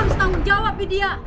kamu harus tanggung jawab widya